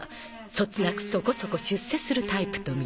そつなくそこそこ出世するタイプと見た